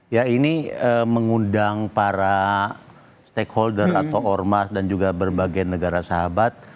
ya ini mengundang para stakeholder atau ormas dan juga berbagai negara sahabat